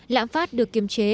lãng phát được kiềm chế